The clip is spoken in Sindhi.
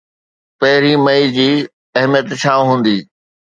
پهرين مئي جي اهميت ڇا هوندي؟